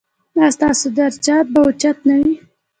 ایا ستاسو درجات به اوچت نه وي؟